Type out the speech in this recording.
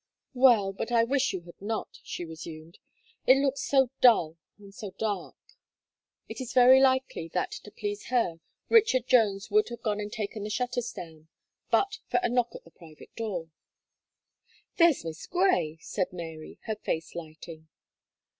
"Well, but I wish you had not," she resumed, "it looks so dull and so dark." It is very likely that to please her, Richard Jones would have gone and taken the shutters down; but for a knock at the private door. "There's Miss Gray," said Mary, her face lighting.